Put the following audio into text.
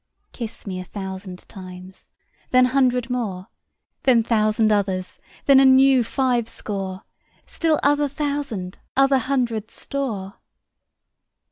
Kiss me a thousand times, then hundred more, Then thousand others, then a new five score, Still other thousand other hundred store.